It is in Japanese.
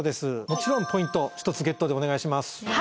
もちろんポイント１つゲットでお願いします。